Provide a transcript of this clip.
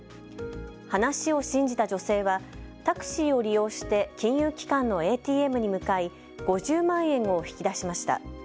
話を信じた女性はタクシーを利用して金融機関のＡＴＭに向かい５０万円を引き出しました。